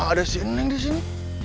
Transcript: nah ada si neng di sini